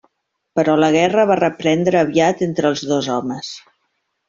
Però la guerra va reprendre aviat entre els dos homes.